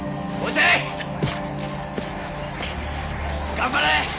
頑張れ！